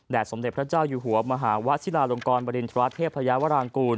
สมเด็จพระเจ้าอยู่หัวมหาวะชิลาลงกรบริณฑราเทพยาวรางกูล